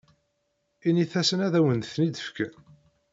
Init-asen ad awen-ten-id-fken.